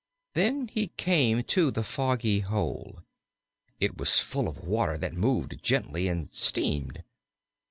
Then he came to the foggy hole. It was full of water that moved gently and steamed.